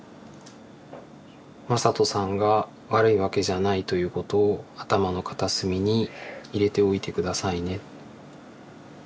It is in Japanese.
「まさとさんが悪いわけじゃないということを頭の片隅に入れておいてくださいね」。